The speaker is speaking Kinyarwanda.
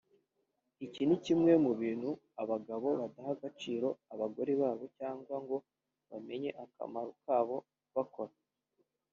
Iki ni kimwe mu bintu abagabo badaha agaciro abagore babo cyangwa ngo bamenye akamaro kabo bakora